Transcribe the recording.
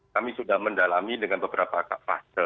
kami sudah mendalami dengan beberapa fase